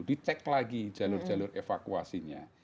dicek lagi jalur jalur evakuasinya